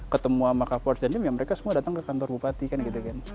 ketemu sama kapolres dandim ya mereka semua datang ke kantor bupati kan gitu kan